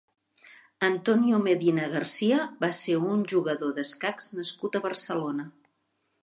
Antonio Medina García va ser un jugador d'escacs nascut a Barcelona.